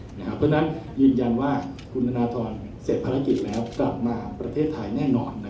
เพราะฉะนั้นยืนยันว่าคุณธนทรเสร็จภารกิจแล้วกลับมาประเทศไทยแน่นอน